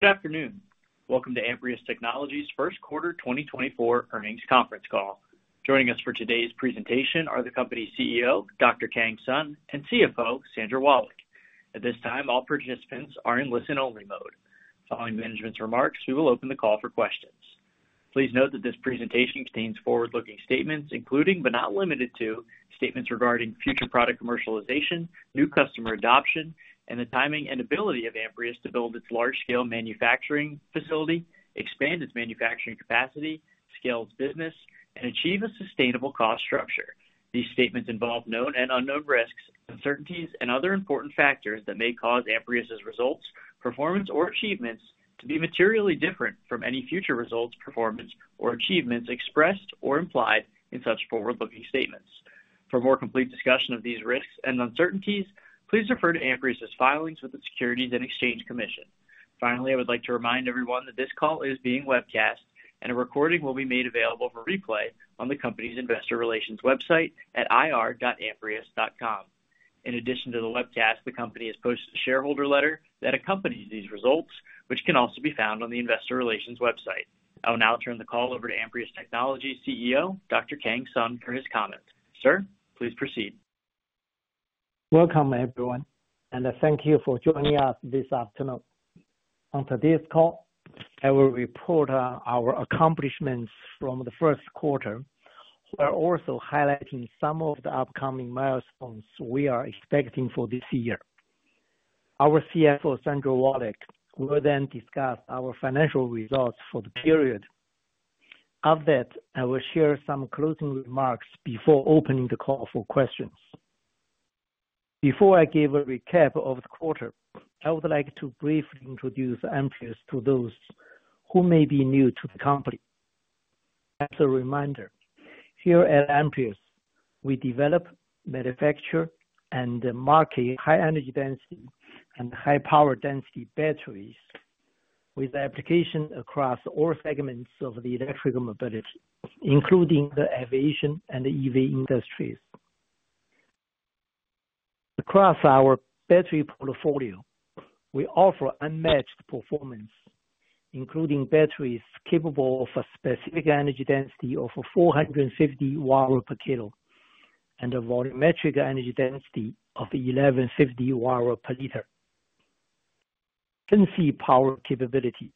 Good afternoon. Welcome to Amprius Technologies' first quarter 2024 earnings conference call. Joining us for today's presentation are the company's CEO, Dr. Kang Sun, and CFO, Sandra Wallach. At this time, all participants are in listen-only mode. Following management's remarks, we will open the call for questions. Please note that this presentation contains forward-looking statements, including but not limited to statements regarding future product commercialization, new customer adoption, and the timing and ability of Amprius to build its large-scale manufacturing facility, expand its manufacturing capacity, scale its business, and achieve a sustainable cost structure. These statements involve known and unknown risks, uncertainties, and other important factors that may cause Amprius results, performance, or achievements to be materially different from any future results, performance, or achievements expressed or implied in such forward-looking statements. For a more complete discussion of these risks and uncertainties, please refer to Amprius filings with the Securities and Exchange Commission. Finally, I would like to remind everyone that this call is being webcast, and a recording will be made available for replay on the company's investor relations website at ir.amprius.com. In addition to the webcast, the company has posted a shareholder letter that accompanies these results, which can also be found on the investor relations website. I will now turn the call over to Amprius Technologies' CEO, Dr. Kang Sun, for his comments. Sir, please proceed. Welcome, everyone, and thank you for joining us this afternoon. On today's call, I will report our accomplishments from the first quarter, while also highlighting some of the upcoming milestones we are expecting for this year. Our CFO, Sandra Wallach, will then discuss our financial results for the period. After that, I will share some closing remarks before opening the call for questions. Before I give a recap of the quarter, I would like to briefly introduce Amprius to those who may be new to the company. As a reminder, here at Amprius, we develop, manufacture, and market high-energy density and high-power density batteries with applications across all segments of the electrical mobility, including the aviation and the EV industries. Across our battery portfolio, we offer unmatched performance, including batteries capable of a specific energy density of 450 Wh/kg and a volumetric energy density of 1,150 Wh/L. High power capability: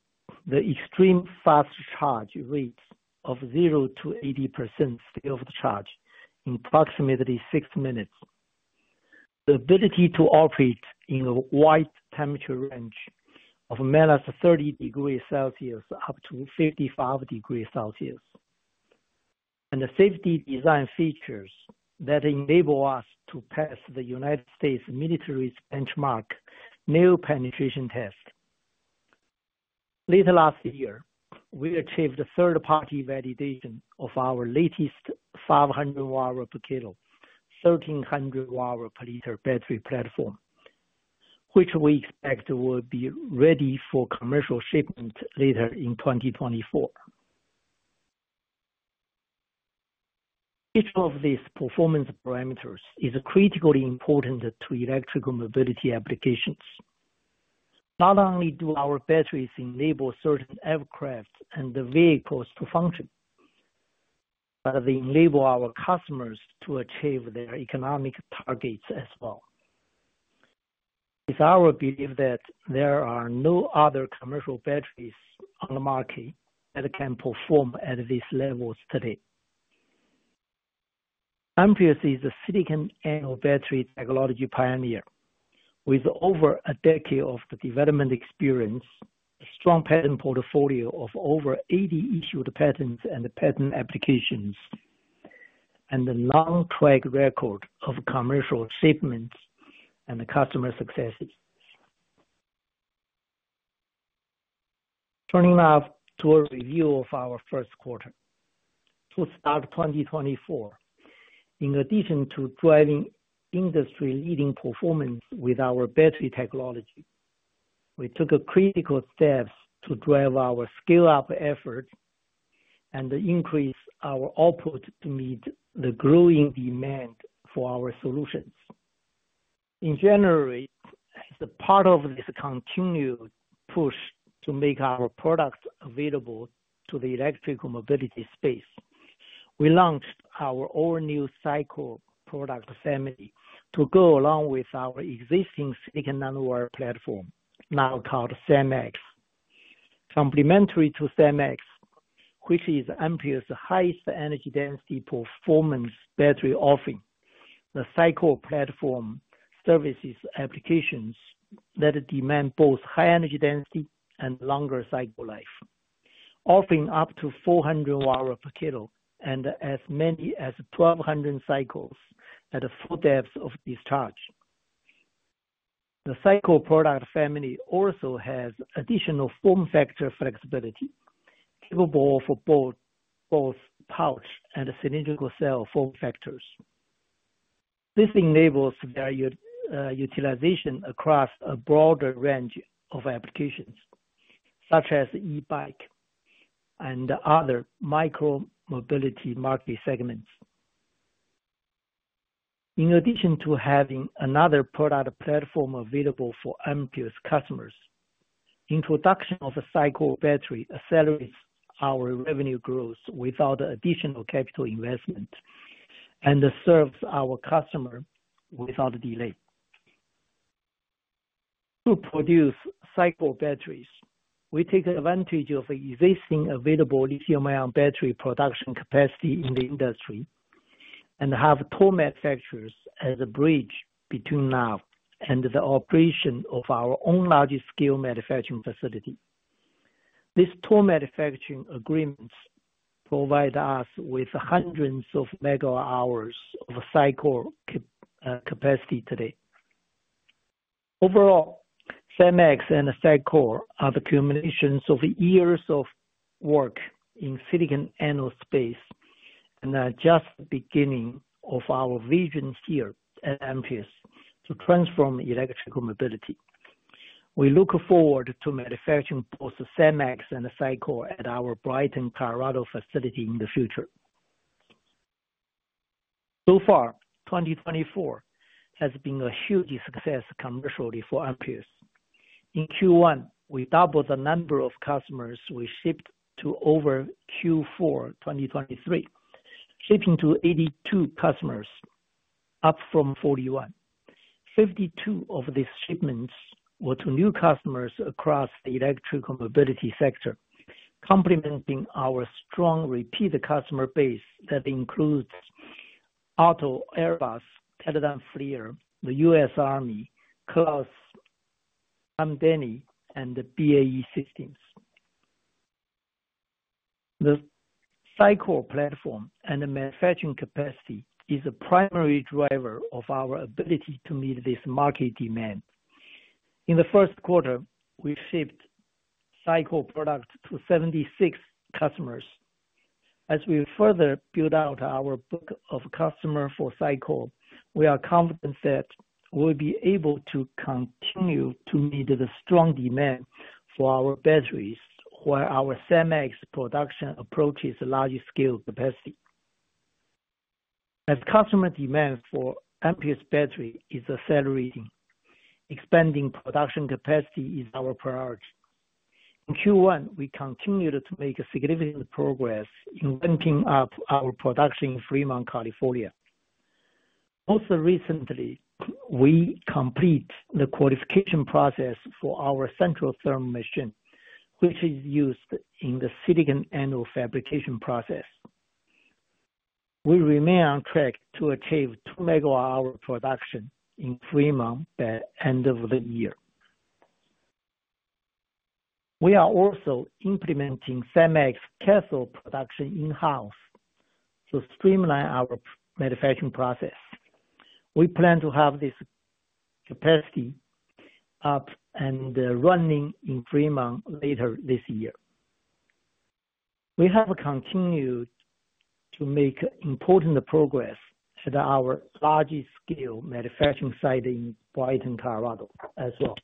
the extreme fast charge rates of 0%-80% state of the charge in approximately 6 minutes. The ability to operate in a wide temperature range of -30 degrees Celsius up to 55 degrees Celsius. The safety design features that enable us to pass the U.S. Military's benchmark nail penetration test. Late last year, we achieved third-party validation of our latest 500 Wh/kg, 1,300 Wh/L battery platform, which we expect will be ready for commercial shipment later in 2024. Each of these performance parameters is critically important to electrical mobility applications. Not only do our batteries enable certain aircraft and vehicles to function, but they enable our customers to achieve their economic targets as well. It's our belief that there are no other commercial batteries on the market that can perform at this level today. Amprius is a silicon-anode battery technology pioneer. With over a decade of development experience, a strong patent portfolio of over 80 issued patents and patent applications, and a long track record of commercial shipments and customer successes. Turning now to a review of our first quarter. To start 2024, in addition to driving industry-leading performance with our battery technology, we took critical steps to drive our scale-up efforts and increase our output to meet the growing demand for our solutions. In January, as part of this continued push to make our products available to the electrical mobility space, we launched our all-new SiCore product family to go along with our existing silicon nanowire platform, now called SiMaxx. Complementary to SiMaxx, which is Amprius highest energy density performance battery offering, the SiCore platform services applications that demand both high energy density and longer SiCore life, offering up to 400 Wh/kg and as many as 1,200 SiCore at a full depth of discharge. The SiCore product family also has additional form factor flexibility, capable of both pouch and cylindrical cell form factors. This enables their utilization across a broader range of applications, such as e-bikes and other micro-mobility market segments. In addition to having another product platform available for Amprius customers, the introduction of a SiCore battery accelerates our revenue growth without additional capital investment and serves our customer without delay. To produce SiCore batteries, we take advantage of existing available lithium-ion battery production capacity in the industry and have toll manufacturers as a bridge between now and the operation of our own large-scale manufacturing facility. These toll manufacturing agreements provide us with hundreds of megawatt-hours of SiCore capacity today. Overall, SiMaxx and SiCore are the culmination of years of work in the silicon-anode space and are just the beginning of our vision here at Amprius to transform electrical mobility. We look forward to manufacturing both SiMaxx and SiCore at our Brighton, Colorado, facility in the future. So far, 2024 has been a huge success commercially for Amprius. In Q1, we doubled the number of customers we shipped to over Q4 2023, shipping to 82 customers, up from 41. 52 of these shipments were to new customers across the electrical mobility sector, complementing our strong, repeat customer base that includes AALTO, Airbus, Teledyne FLIR, the U.S. Army, Kraus Hamdani, and BAE Systems. The SiCore platform and manufacturing capacity is a primary drivers of our ability to meet this market demand. In the first quarter, we shipped SiCore products to 76 customers. As we further build out our book of customers for SiCore, we are confident that we will be able to continue to meet the strong demand for our batteries while our SiMaxx production approaches large-scale capacity. As customer demand for Amprius batteries is accelerating, expanding production capacity is our priority. In Q1, we continued to make significant progress in ramping up our production in Fremont, California. Most recently, we completed the qualification process for our Centrotherm machine, which is used in the silicon-anode fabrication process. We remain on track to achieve 2 MWh production in Fremont by the end of the year. We are also implementing SiMaxx cathode production in-house to streamline our manufacturing process. We plan to have this capacity up and running in Fremont later this year. We have continued to make important progress at our large-scale manufacturing site in Brighton, Colorado, as well.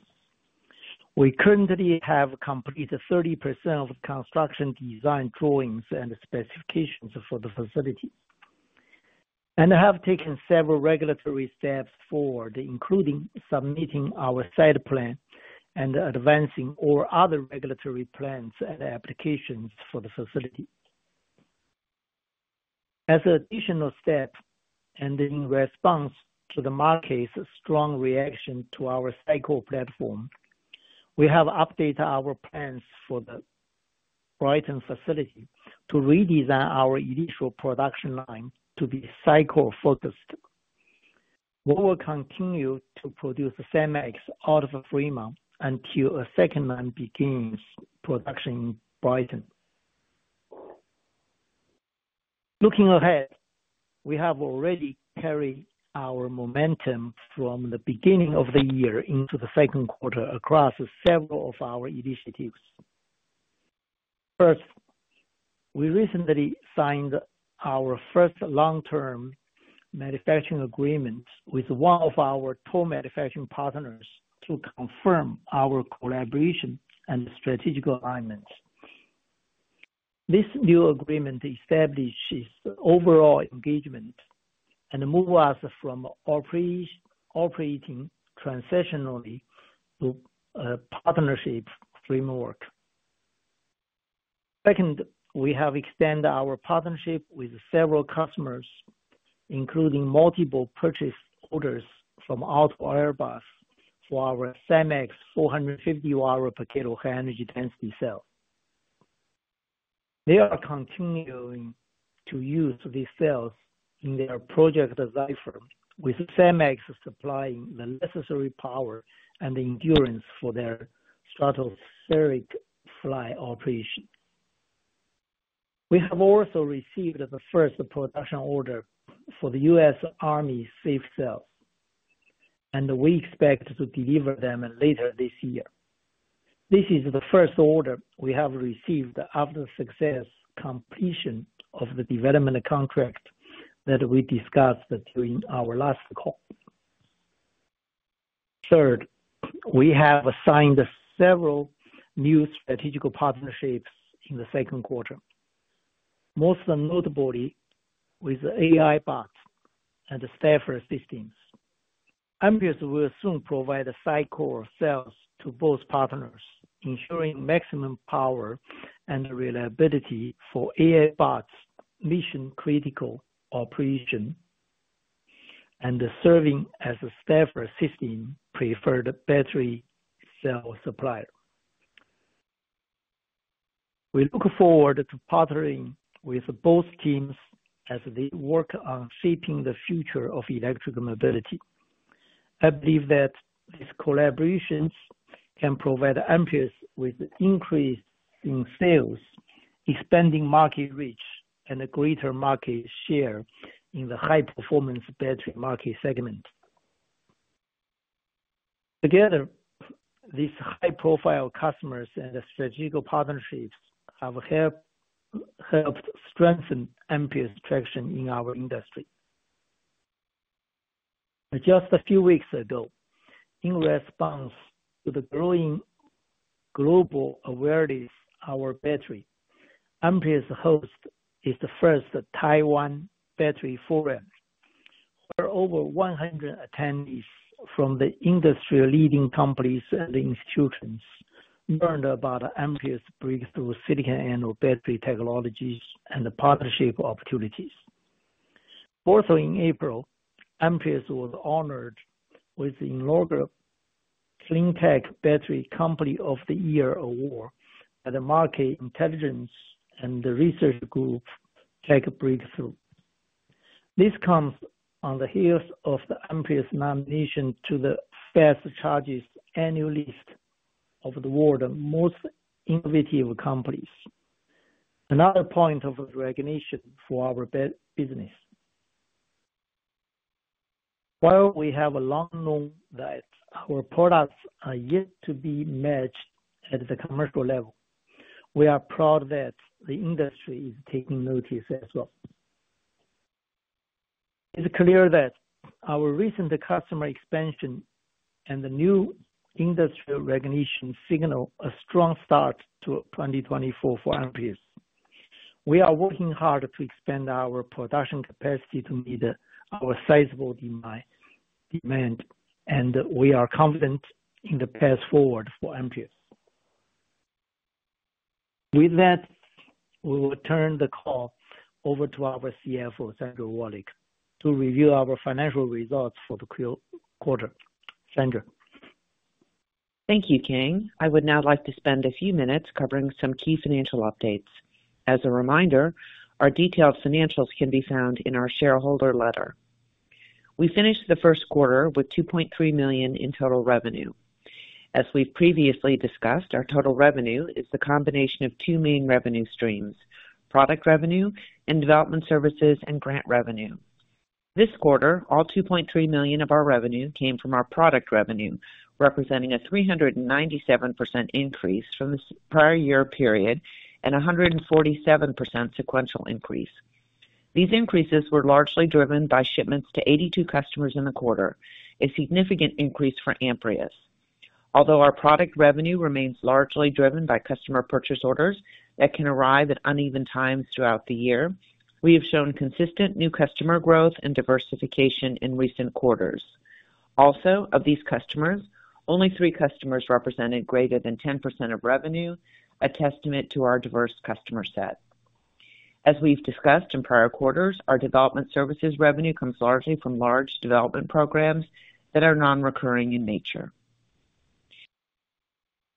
We currently have completed 30% of the construction design drawings and specifications for the facility and have taken several regulatory steps forward, including submitting our site plan and advancing all other regulatory plans and applications for the facility. As an additional step, and in response to the market's strong reaction to our SiCore platform, we have updated our plans for the Brighton facility to redesign our initial production line to be SiCore-focused. We will continue to produce SiMaxx out of Fremont until a second line begins production in Brighton. Looking ahead, we have already carried our momentum from the beginning of the year into the second quarter across several of our initiatives. First, we recently signed our first long-term manufacturing agreement with one of our toll manufacturing partners to confirm our collaboration and strategic alignment. This new agreement establishes overall engagement and moves us from operating transitionally to a partnership framework. Second, we have extended our partnership with several customers, including multiple purchase orders from AALTO, Airbus for our SiMaxx 450 Wh/kg high-energy density cell. They are continuing to use these cells in their project Zephyr, with SiMaxx supplying the necessary power and endurance for their stratospheric fly operation. We have also received the first production order for the U.S. Army safe cells, and we expect to deliver them later this year. This is the first order we have received after the successful completion of the development contract that we discussed during our last call. Third, we have signed several new strategic partnerships in the second quarter, most notably with AALTO and Stafl Systems. Amprius will soon provide SiCore cells to both partners, ensuring maximum power and reliability for AALTO's mission-critical operation and serving as Stafl Systems' preferred battery cell supplier. We look forward to partnering with both teams as they work on shaping the future of electrical mobility. I believe that these collaborations can provide Amprius with an increase in sales, expanding market reach, and a greater market share in the high-performance battery market segment. Together, these high-profile customers and strategic partnerships have helped strengthen Amprius' traction in our industry. Just a few weeks ago, in response to the growing global awareness of our battery, Amprius hosted the first Taiwan Battery Forum, where over 100 attendees from the industry-leading companies and institutions learned about Amprius' breakthrough silicon-anode battery technologies and partnership opportunities. Also in April, Amprius was honored with the Overall Battery Company of the Year award at the Cleantech Breakthrough. This comes on the heels of Amprius' nomination to the Fast Company Annual List of the World's Most Innovative Companies, another point of recognition for our business. While we have long known that our products are yet to be matched at the commercial level, we are proud that the industry is taking notice as well. It's clear that our recent customer expansion and the new industry recognition signal a strong start to 2024 for Amprius. We are working hard to expand our production capacity to meet our sizable demand, and we are confident in the path forward for Amprius. With that, we will turn the call over to our CFO, Sandra Wallach, to review our financial results for the quarter. Sandra. Thank you, Kang. I would now like to spend a few minutes covering some key financial updates. As a reminder, our detailed financials can be found in our shareholder letter. We finished the first quarter with $2.3 million in total revenue. As we've previously discussed, our total revenue is the combination of two main revenue streams: product revenue and development services and grant revenue. This quarter, all $2.3 million of our revenue came from our product revenue, representing a 397% increase from the prior year period and a 147% sequential increase. These increases were largely driven by shipments to 82 customers in the quarter, a significant increase for Amprius. Although our product revenue remains largely driven by customer purchase orders that can arrive at uneven times throughout the year, we have shown consistent new customer growth and diversification in recent quarters. Also, of these customers, only three customers represented greater than 10% of revenue, a testament to our diverse customer set. As we've discussed in prior quarters, our development services revenue comes largely from large development programs that are non-recurring in nature.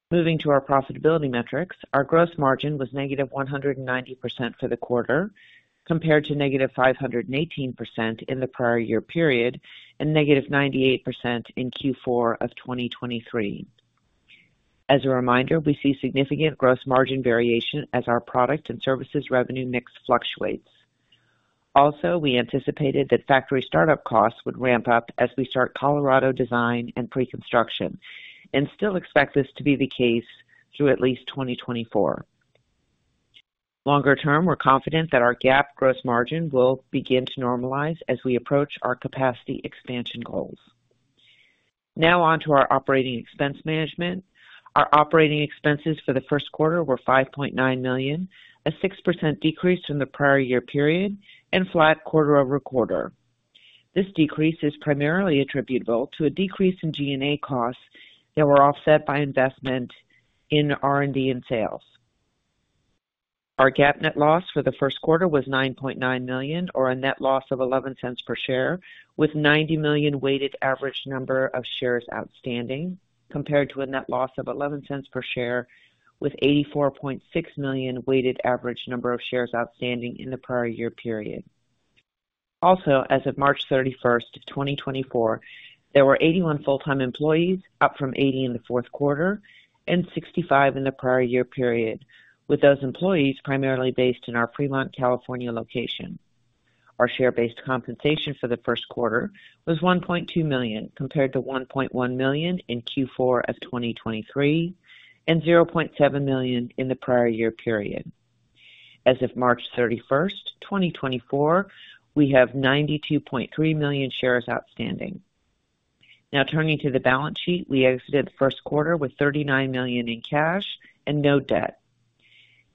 Moving to our profitability metrics, our gross margin was negative 190% for the quarter, compared to negative 518% in the prior year period and negative 98% in Q4 of 2023. As a reminder, we see significant gross margin variation as our product and services revenue mix fluctuates. Also, we anticipated that factory startup costs would ramp up as we start Colorado design and pre-construction and still expect this to be the case through at least 2024. Longer term, we're confident that our GAAP gross margin will begin to normalize as we approach our capacity expansion goals. Now on to our operating expense management. Our operating expenses for the first quarter were $5.9 million, a 6% decrease from the prior year period and flat quarter-over-quarter. This decrease is primarily attributable to a decrease in G&A costs that were offset by investment in R&D and sales. Our GAAP net loss for the first quarter was $9.9 million, or a net loss of $0.11 per share, with 90 million weighted average number of shares outstanding, compared to a net loss of $0.11 per share with 84.6 million weighted average number of shares outstanding in the prior year period. Also, as of March 31, 2024, there were 81 full-time employees, up from 80 in the fourth quarter and 65 in the prior year period, with those employees primarily based in our Fremont, California, location. Our share-based compensation for the first quarter was $1.2 million, compared to $1.1 million in Q4 of 2023 and $0.7 million in the prior year period. As of March 31, 2024, we have 92.3 million shares outstanding. Now, turning to the balance sheet, we exited the first quarter with $39 million in cash and no debt.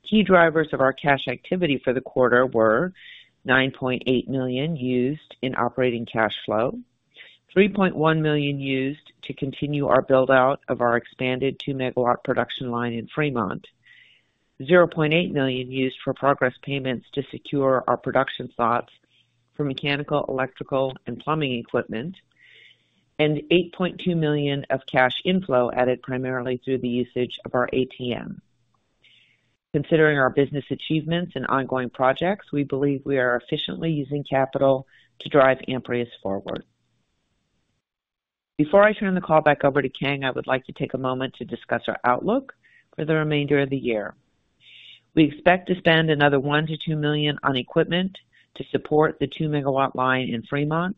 Key drivers of our cash activity for the quarter were: $9.8 million used in operating cash flow, $3.1 million used to continue our buildout of our expanded 2 MW production line in Fremont, $0.8 million used for progress payments to secure our production slots for mechanical, electrical, and plumbing equipment, and $8.2 million of cash inflow added primarily through the usage of our ATM. Considering our business achievements and ongoing projects, we believe we are efficiently using capital to drive Amprius forward. Before I turn the call back over to Kang, I would like to take a moment to discuss our outlook for the remainder of the year. We expect to spend another $1 million-$2 million on equipment to support the 2 MW line in Fremont.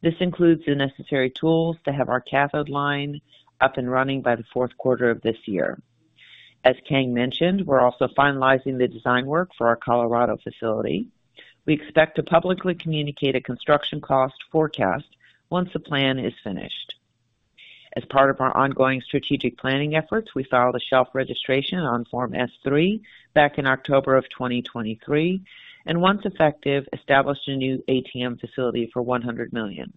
This includes the necessary tools to have our cathode line up and running by the fourth quarter of this year. As Kang mentioned, we're also finalizing the design work for our Colorado facility. We expect to publicly communicate a construction cost forecast once the plan is finished. As part of our ongoing strategic planning efforts, we filed a shelf registration on Form S3 back in October of 2023, and once effective, established a new ATM facility for $100 million.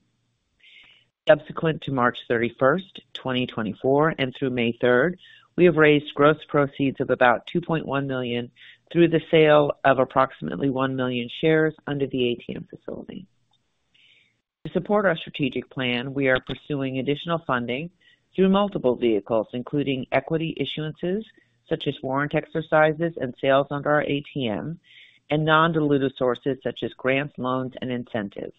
Subsequent to March 31, 2024, and through May 3, 2024, we have raised gross proceeds of about $2.1 million through the sale of approximately 1 million shares under the ATM facility. To support our strategic plan, we are pursuing additional funding through multiple vehicles, including equity issuances such as warrant exercises and sales under our ATM, and non-dilutive sources such as grants, loans, and incentives.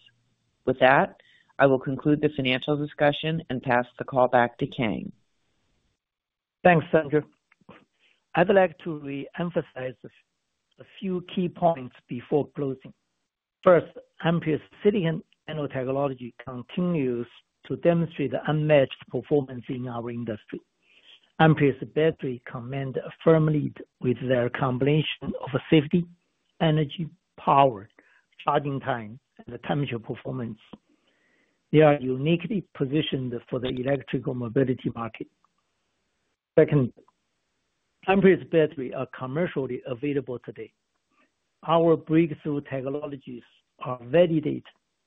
With that, I will conclude the financial discussion and pass the call back to Kang. Thanks, Sandra. I would like to re-emphasize a few key points before closing. First, Amprius silicon anode technology continues to demonstrate unmatched performance in our industry. Amprius batteries command a firm lead with their combination of safety, energy, power, charging time, and temperature performance. They are uniquely positioned for the electrical mobility market. Second, Amprius batteries are commercially available today. Our breakthrough technologies are validated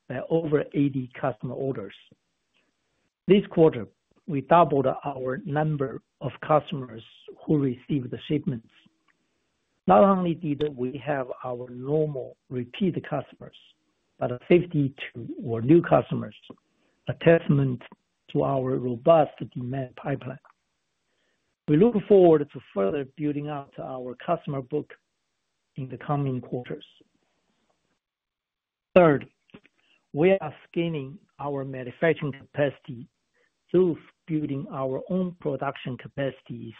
by over 80 customer orders. This quarter, we doubled our number of customers who received the shipments. Not only did we have our normal repeat customers, but 52 were new customers, a testament to our robust demand pipeline. We look forward to further building out our customer book in the coming quarters. Third, we are scaling our manufacturing capacity through building our own production capacities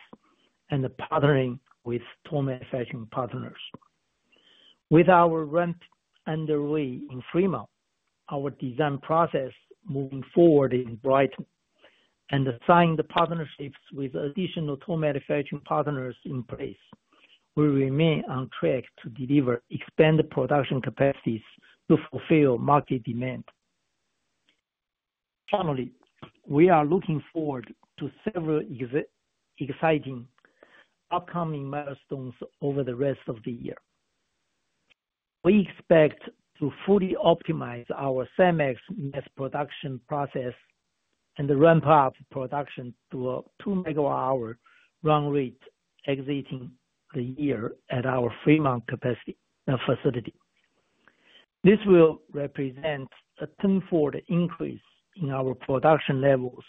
and partnering with toll manufacturing partners. With our ramp underway in Fremont, our design process moving forward in Brighton, and signing the partnerships with additional toll manufacturing partners in place, we remain on track to expand production capacities to fulfill market demand. Finally, we are looking forward to several exciting upcoming milestones over the rest of the year. We expect to fully optimize our SiMaxx mass production process and ramp up production to a 2 MWh run rate exiting the year at our Fremont facility. This will represent a tenfold increase in our production levels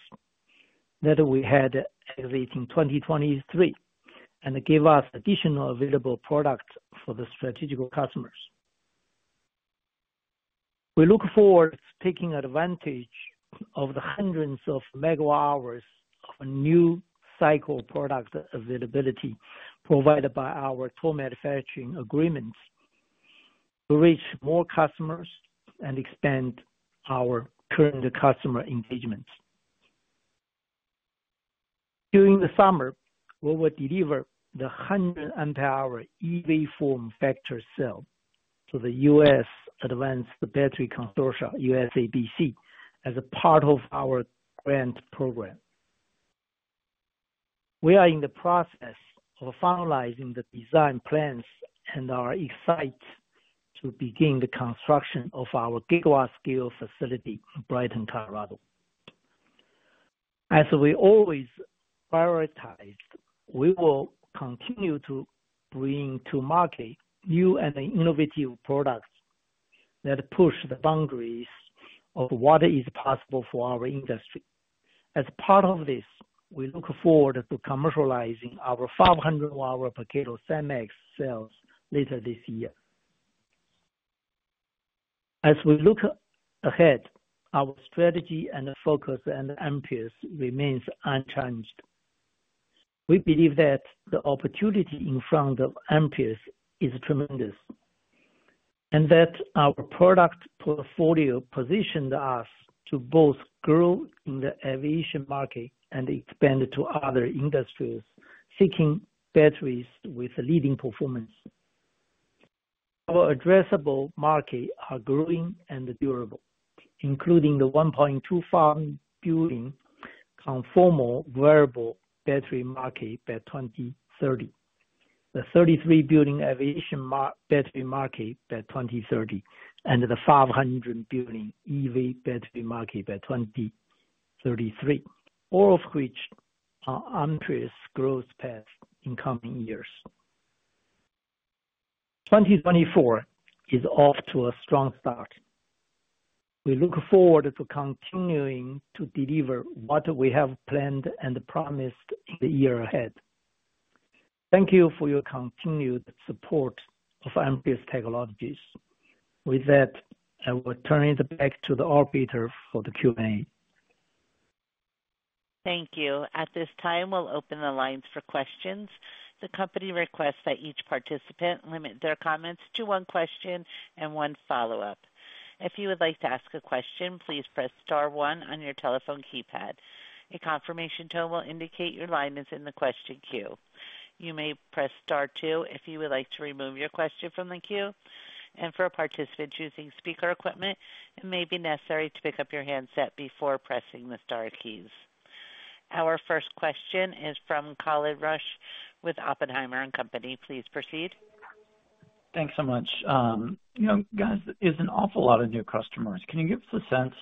that we had exiting 2023 and give us additional available products for the strategic customers. We look forward to taking advantage of the hundreds of MWh of new SiCore product availability provided by our toll manufacturing agreements to reach more customers and expand our current customer engagements. During the summer, we will deliver the 100 Ah EV form factor cell to the U.S. Advanced Battery Consortium (USABC), as a part of our grant program. We are in the process of finalizing the design plans and are excited to begin the construction of our gigawatt-scale facility in Brighton, Colorado. As we always prioritized, we will continue to bring to market new and innovative products that push the boundaries of what is possible for our industry. As part of this, we look forward to commercializing our 500 Wh/kg SiMaxx cells later this year. As we look ahead, our strategy and focus on Amprius remains unchanged. We believe that the opportunity in front of Amprius is tremendous and that our product portfolio positions us to both grow in the aviation market and expand to other industries seeking batteries with leading performance. Our addressable markets are growing and durable, including the $1.2 billion conformal wearable battery market by 2030, the $3 billion aviation battery market by 2030, and the $500 billion EV battery market by 2033, all of which are Amprius growth paths in coming years. 2024 is off to a strong start. We look forward to continuing to deliver what we have planned and promised in the year ahead. Thank you for your continued support of Amprius Technologies. With that, I will turn it back to the operator for the Q&A. Thank you. At this time, we'll open the lines for questions. The company requests that each participant limit their comments to one question and one follow-up. If you would like to ask a question, please press star one on your telephone keypad. A confirmation tone will indicate your line is in the question queue. You may press star two if you would like to remove your question from the queue. For participants using speaker equipment, it may be necessary to pick up your handset before pressing the star keys. Our first question is from Colin Rusch with Oppenheimer & Company. Please proceed. Thanks so much. Guys, there is an awful lot of new customers. Can you give us a sense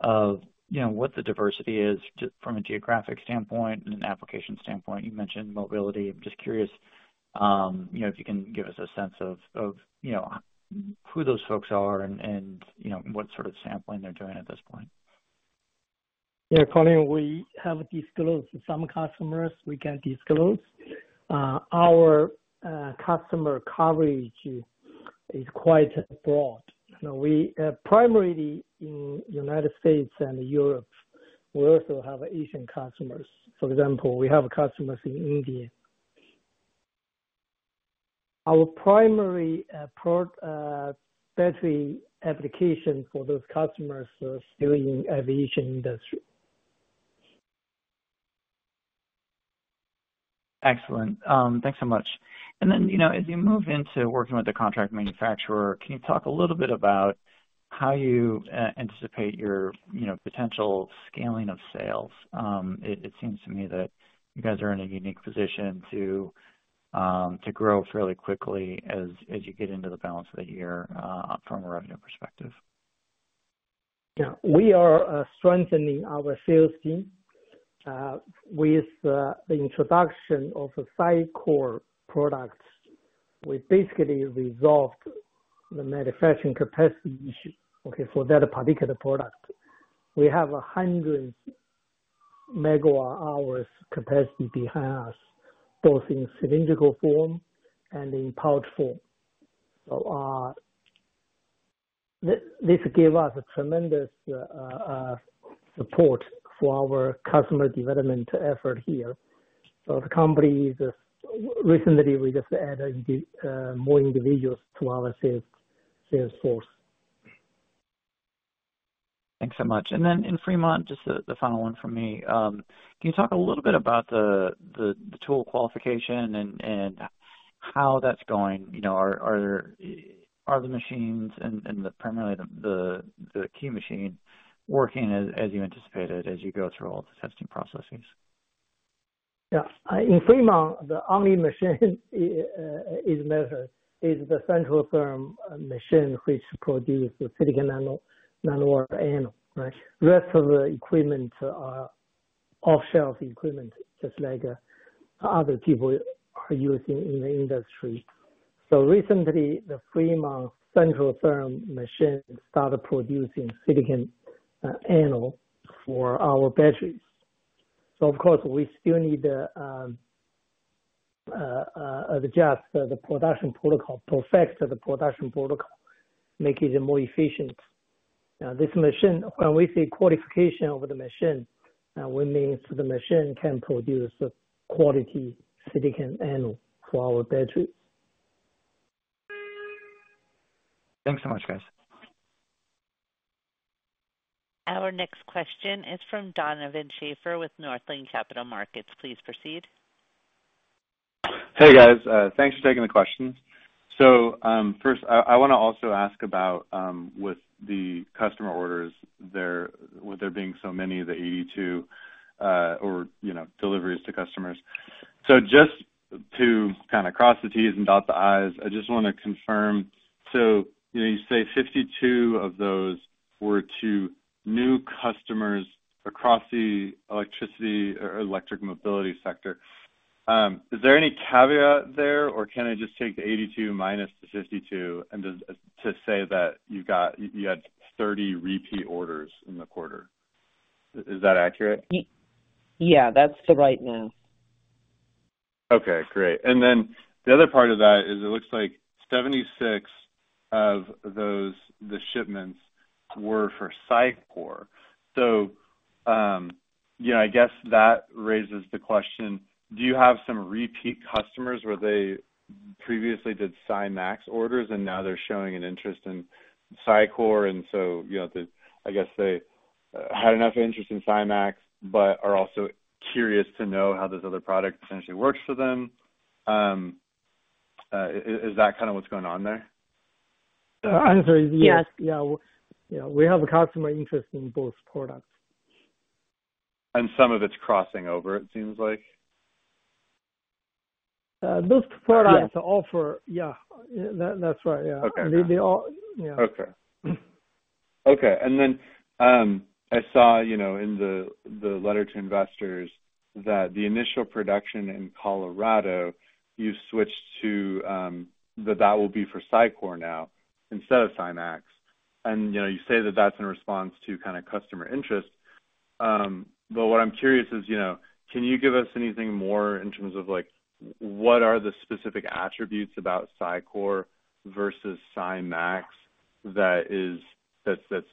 of what the diversity is from a geographic standpoint and an application standpoint? You mentioned mobility. I'm just curious if you can give us a sense of who those folks are and what sort of sampling they're doing at this point. Yeah, Colin, we have disclosed some customers we can disclose. Our customer coverage is quite broad. Primarily in the United States and Europe, we also have Asian customers. For example, we have customers in India. Our primary battery application for those customers is still in the aviation industry. Excellent. Thanks so much. And then as you move into working with a contract manufacturer, can you talk a little bit about how you anticipate your potential scaling of sales? It seems to me that you guys are in a unique position to grow fairly quickly as you get into the balance of the year from a revenue perspective. Yeah. We are strengthening our sales team. With the introduction of a SiCore product, we basically resolved the manufacturing capacity issue for that particular product. We have hundreds of megawatt-hours of capacity behind us, both in cylindrical form and in pouch form. This gave us tremendous support for our customer development effort here. Recently, we just added more individuals to our sales force. Thanks so much. Then in Fremont, just the final one from me, can you talk a little bit about the tool qualification and how that's going? Are the machines, and primarily the key machine working as you anticipated as you go through all the testing processes? Yeah. In Fremont, the only machine that matters is the Centrotherm machine which produces the silicon nanowire anode, right? The rest of the equipment are off-the-shelf equipment, just like other people are using in the industry. So recently, the Fremont Centrotherm machine started producing silicon anode for our batteries. So, of course, we still need to adjust the production protocol, perfect the production protocol, make it more efficient. When we say qualification of the machine, we mean the machine can produce quality silicon anode for our batteries. Thanks so much, guys. Our next question is from Donovan Schafer with Northland Capital Markets. Please proceed. Hey, guys. Thanks for taking the questions. So first, I want to also ask about, with the customer orders, with there being so many, the 82 deliveries to customers. So just to kind of cross the T's and dot the I's, I just want to confirm. So you say 52 of those were to new customers across the electricity or electric mobility sector. Is there any caveat there, or can I just take the 82 minus the 52 to say that you had 30 repeat orders in the quarter? Is that accurate? Yeah, that's the right math. Okay, great. And then the other part of that is it looks like 76 of the shipments were for SiCore. So I guess that raises the question, do you have some repeat customers where they previously did SiMaxx orders and now they're showing an interest in SiCore? And so I guess they had enough interest in SiMaxx but are also curious to know how this other product potentially works for them. Is that kind of what's going on there? I'm sorry. Yeah. We have a customer interest in both products. Some of it's crossing over, it seems like? Those products offer, yeah. That's right. Yeah. Yeah. Okay. Okay. And then I saw in the letter to investors that the initial production in Colorado, you switched to that will be for SiCore now instead of SiMaxx. And you say that that's in response to kind of customer interest. But what I'm curious is, can you give us anything more in terms of what are the specific attributes about SiCore versus SiMaxx that's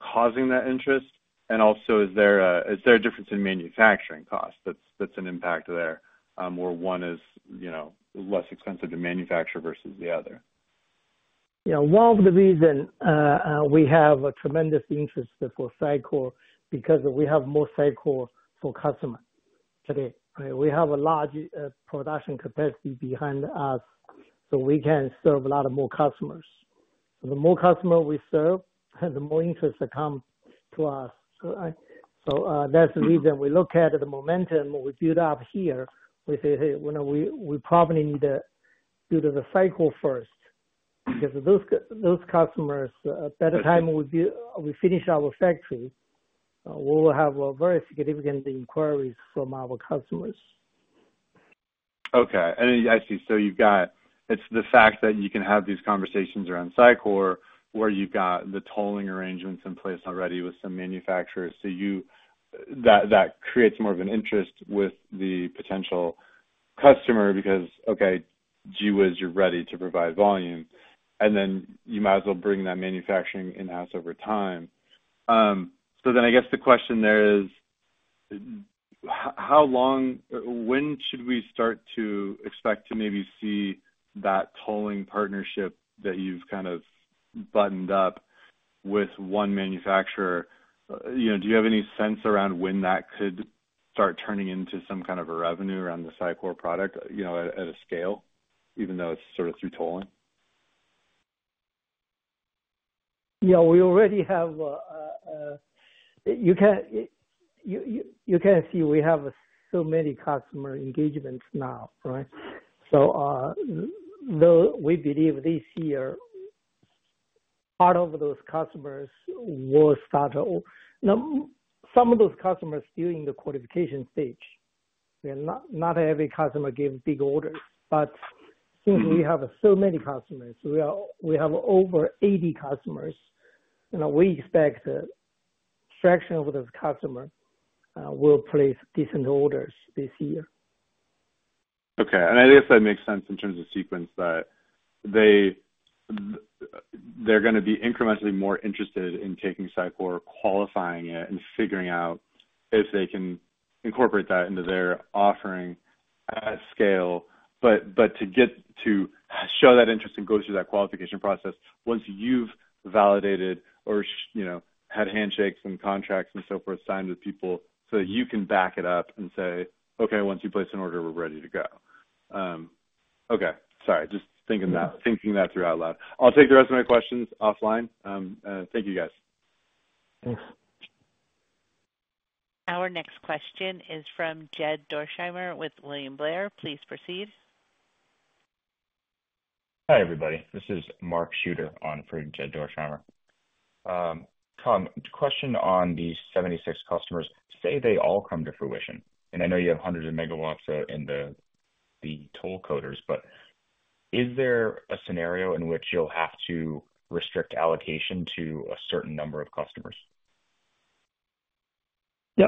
causing that interest? And also, is there a difference in manufacturing costs that's an impact there where one is less expensive to manufacture versus the other? Yeah. One of the reasons we have a tremendous interest for SiCore is because we have more SiCore for customers today, right? We have a large production capacity behind us, so we can serve a lot more customers. So the more customers we serve, the more interests come to us. So that's the reason we look at the momentum we build up here. We say, "Hey, we probably need to build the SiCore first because those customers, the better time we finish our factory, we will have from our customers. Okay. I see. So it's the fact that you can have these conversations around SiCore where you've got the tolling arrangements in place already with some manufacturers. So that creates more of an interest with the potential customer because, okay, guys, you're ready to provide volume, and then you might as well bring that manufacturing in-house over time. So then I guess the question there is, when should we start to expect to maybe see that tolling partnership that you've kind of buttoned up with one manufacturer? Do you have any sense around when that could start turning into some kind of a revenue around the SiCore product at a scale, even though it's sort of through tolling? Yeah. You can see we have so many customer engagements now, right? So we believe this year, part of those customers will start. Some of those customers are still in the qualification stage. Not every customer gives big orders. But since we have so many customers, we have over 80 customers, and we expect a fraction of those customers will place decent orders this year. Okay. And I guess that makes sense in terms of sequence, that they're going to be incrementally more interested in taking SiCore, qualifying it, and figuring out if they can incorporate that into their offering at scale. But to show that interest and go through that qualification process, once you've validated or had handshakes and contracts and so forth signed with people so that you can back it up and say, "Okay, once you place an order, we're ready to go." Okay. Sorry, just thinking that through out loud. I'll take the rest of my questions offline. Thank you, guys. Thanks. Our next question is from Jed Dorsheimer with William Blair. Please proceed. Hi, everybody. This is Mark Shooter on for Jed Dorsheimer. Tom, question on the 76 customers. Say they all come to fruition, and I know you have hundreds of megawatts in the toll coaters, but is there a scenario in which you'll have to restrict allocation to a certain number of customers? Yeah.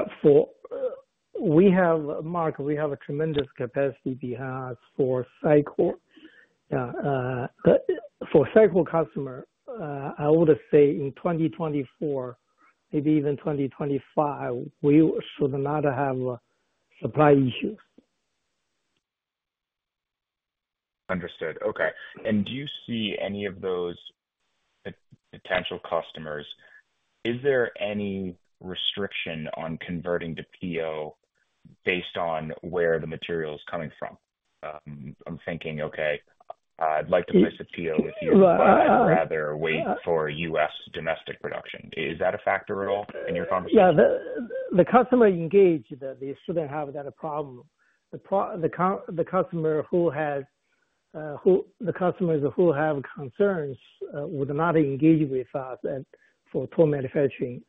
Mark, we have a tremendous capacity behind us for SiCore. For SiCore customers, I would say in 2024, maybe even 2025, we should not have supply issues. Understood. Okay. Do you see any of those potential customers, is there any restriction on converting to PO based on where the material is coming from? I'm thinking, "Okay, I'd like to place a PO with you, but I'd rather wait for U.S. domestic production." Is that a factor at all in your conversation? Yeah. The customer engaged. They shouldn't have that problem. The customer who has the customers who have concerns would not engage with us for toll manufacturing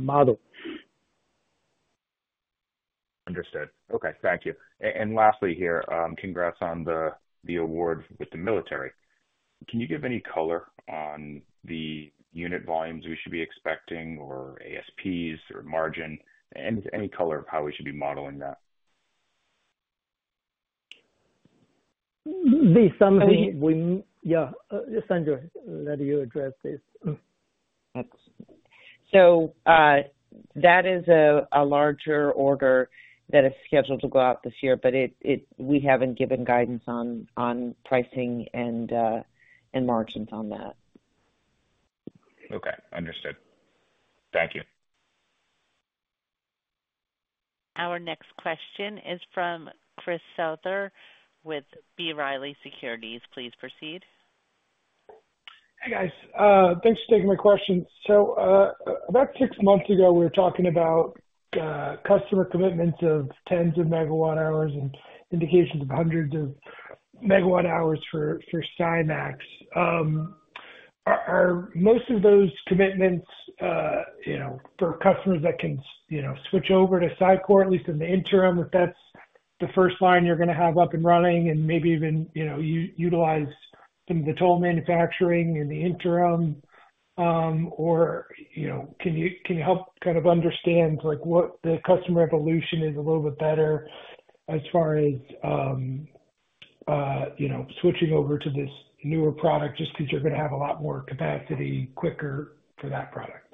model. Understood. Okay. Thank you. And lastly here, congrats on the award with the military. Can you give any color on the unit volumes we should be expecting or ASPs or margin? Any color on how we should be modeling that? Yeah. Sandra, let you address this. That is a larger order that is scheduled to go out this year, but we haven't given guidance on pricing and margins on that. Okay. Understood. Thank you. Our next question is from Chris Souther with B. Riley Securities. Please proceed. Hey, guys. Thanks for taking my question. So about six months ago, we were talking about customer commitments of tens of megawatt-hours and indications of hundreds of megawatt-hours for SiMaxx. Are most of those commitments for customers that can switch over to SiCore, at least in the interim, if that's the first line you're going to have up and running, and maybe even utilize some of the toll manufacturing in the interim? Or can you help kind of understand what the customer evolution is a little bit better as far as switching over to this newer product just because you're going to have a lot more capacity quicker for that product?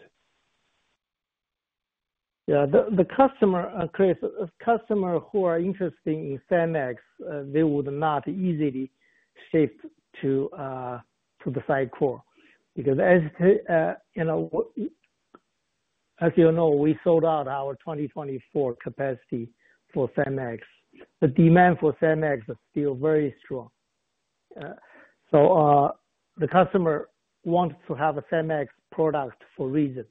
Yeah. The customer, Chris, customers who are interested in SiMaxx, they would not easily shift to the SiCore because, as you know, we sold out our 2024 capacity for SiMaxx. The demand for SiMaxx is still very strong. So the customer wants to have a SiMaxx product for a reason.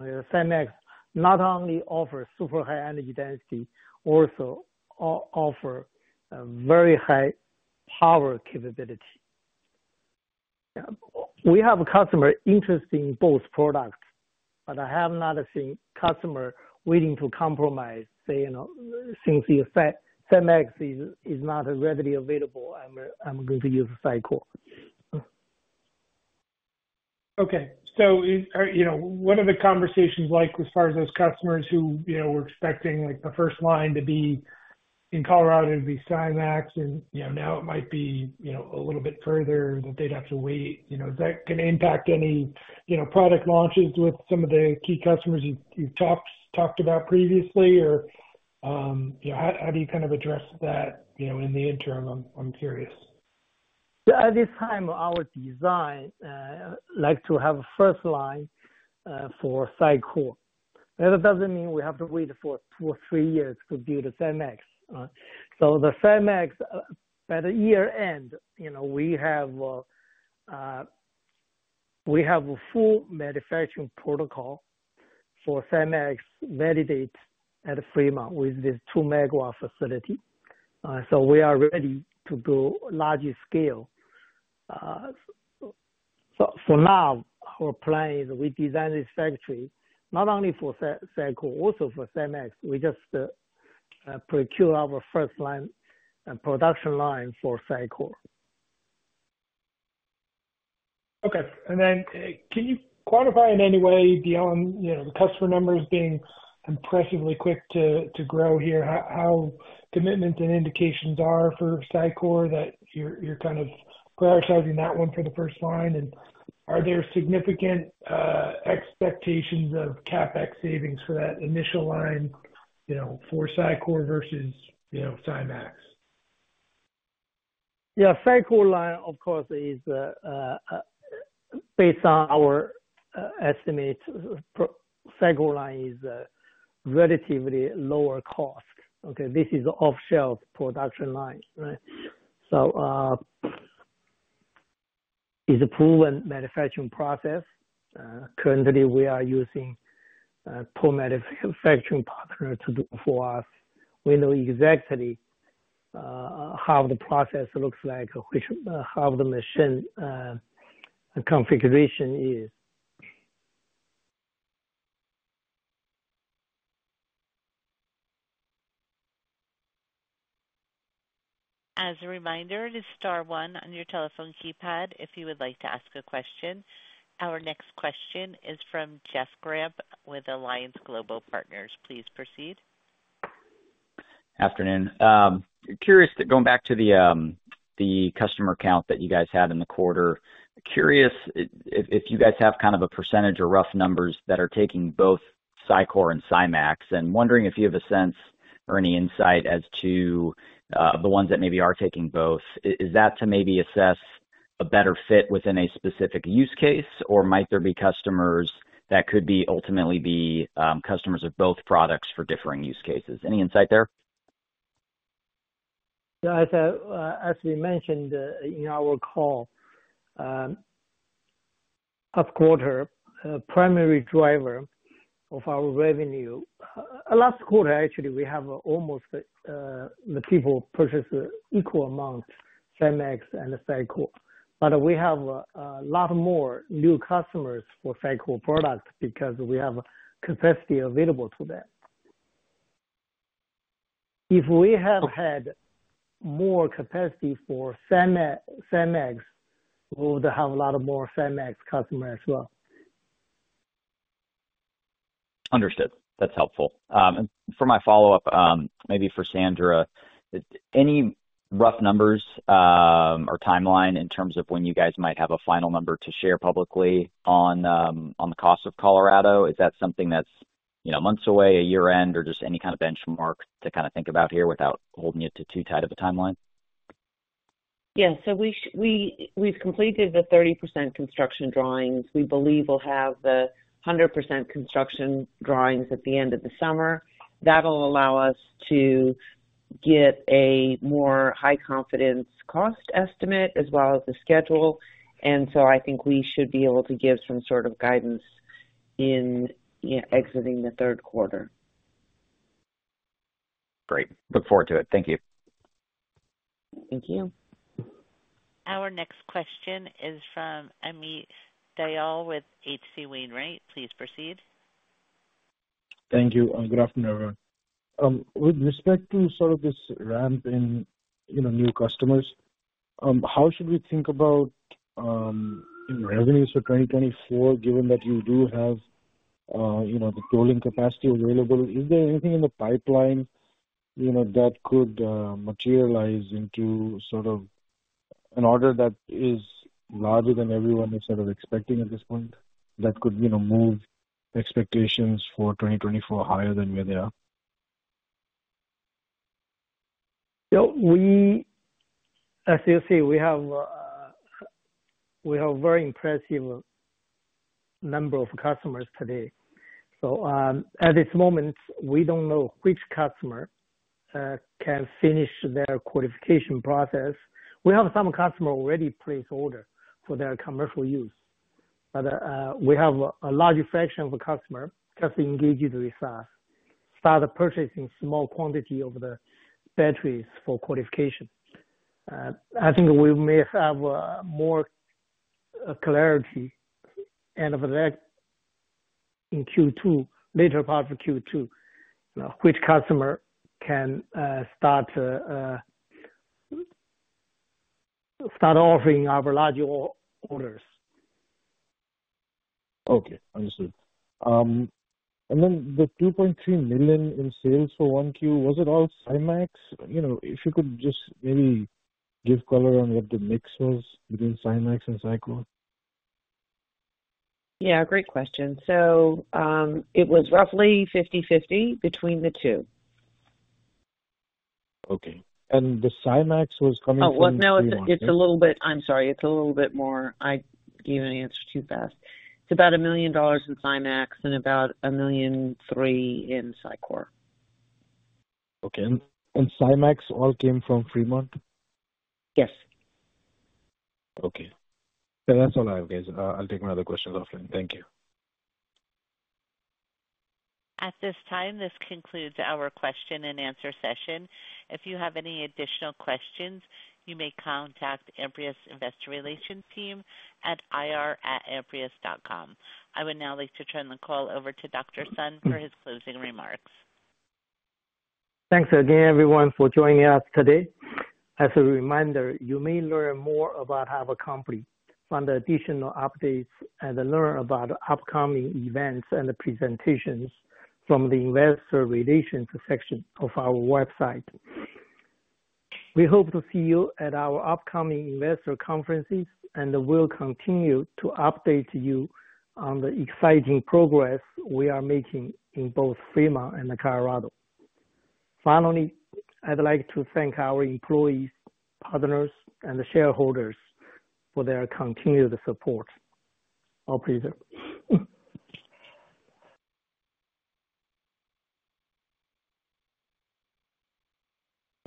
SiMaxx not only offers super high energy density, also offers very high power capability. We have a customer interested in both products, but I have not seen a customer willing to compromise, say, "Since SiMaxx is not readily available, I'm going to use SiCore. Okay. So what are the conversations like as far as those customers who were expecting the first line to be in Colorado to be SiMaxx, and now it might be a little bit further that they'd have to wait? Is that going to impact any product launches with some of the key customers you've talked about previously, or how do you kind of address that in the interim? I'm curious. At this time, our design likes to have a first line for SiCore. That doesn't mean we have to wait for two or three years to build a SiMaxx. So the SiMaxx, by the year end, we have a full manufacturing protocol for SiMaxx validated at Fremont with this 2 MW facility. So we are ready to go larger scale. For now, our plan is we design this factory not only for SiCore, also for SiMaxx. We just procure our first line production line for SiCore. Okay. And then can you quantify in any way beyond the customer numbers being impressively quick to grow here, how commitments and indications are for SiCore that you're kind of prioritizing that one for the first line? And are there significant expectations of CapEx savings for that initial line for SiCore versus SiMaxx? Yeah. SiCore line, of course, is based on our estimates, SiCore line is relatively lower cost. Okay? This is an off-the-shelf production line, right? So it's a proven manufacturing process. Currently, we are using a toll manufacturing partner to do it for us. We know exactly how the process looks like, how the machine configuration is. As a reminder, it is star one on your telephone keypad if you would like to ask a question. Our next question is from Jeff Grampp with Alliance Global Partners. Please proceed. Afternoon. Curious, going back to the customer count that you guys had in the quarter, curious if you guys have kind of a percentage or rough numbers that are taking both SiCore and SiMaxx, and wondering if you have a sense or any insight as to the ones that maybe are taking both. Is that to maybe assess a better fit within a specific use case, or might there be customers that could ultimately be customers of both products for differing use cases? Any insight there? As we mentioned in our call, half-quarter, primary driver of our revenue last quarter, actually, we have almost the people purchase the equal amount, SiMaxx and SiCore. But we have a lot more new customers for SiCore products because we have capacity available to them. If we have had more capacity for SiMaxx, we would have a lot more SiMaxx customers as well. Understood. That's helpful. For my follow-up, maybe for Sandra, any rough numbers or timeline in terms of when you guys might have a final number to share publicly on the cost of Colorado? Is that something that's months away, a year-end, or just any kind of benchmark to kind of think about here without holding it to too tight of a timeline? Yeah. We've completed the 30% construction drawings. We believe we'll have the 100% construction drawings at the end of the summer. That'll allow us to get a more high-confidence cost estimate as well as the schedule. I think we should be able to give some sort of guidance in exiting the third quarter. Great. Look forward to it. Thank you. Thank you. Our next question is from Amit Dayal with H.C. Wainwright. Please proceed. Thank you. Good afternoon, everyone. With respect to sort of this ramp in new customers, how should we think about revenues for 2024, given that you do have the tolling capacity available? Is there anything in the pipeline that could materialize into sort of an order that is larger than everyone is sort of expecting at this point that could move expectations for 2024 higher than where they are? As you see, we have a very impressive number of customers today. So at this moment, we don't know which customer can finish their qualification process. We have some customers already placed orders for their commercial use. But we have a large fraction of the customers just engaged with us, started purchasing small quantities of the batteries for qualification. I think we may have more clarity end of the day in Q2, later part of Q2, which customer can start offering our larger orders. Okay. Understood. And then the $2.3 million in sales for 1Q, was it all SiMaxx? If you could just maybe give color on what the mix was between SiMaxx and SiCore. Yeah. Great question. So it was roughly 50/50 between the two. Okay. The SiMaxx was coming from. Oh, no. It's a little bit. I'm sorry. It's a little bit more. I gave an answer too fast. It's about $1 million in SiMaxx and about $1.3 million in SiCore. Okay. And SiMaxx all came from Fremont? Yes. Okay. Yeah. That's all I have, guys. I'll take my other questions offline. Thank you. At this time, this concludes our question-and-answer session. If you have any additional questions, you may contact the Amprius Investor Relations team at ir@amprius.com. I would now like to turn the call over to Dr. Sun for his closing remarks. Thanks again, everyone, for joining us today. As a reminder, you may learn more about our company from the additional updates and learn about upcoming events and presentations from the Investor Relations section of our website. We hope to see you at our upcoming investor conferences and will continue to update you on the exciting progress we are making in both Fremont and Colorado. Finally, I'd like to thank our employees, partners, and shareholders for their continued support. A pleasure.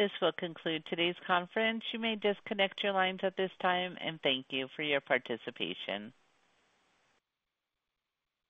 This will conclude today's conference. You may disconnect your lines at this time. Thank you for your participation.